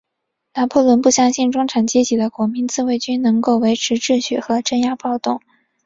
拿破仑不相信中产阶级的国民自卫军能够维持秩序和镇压暴动。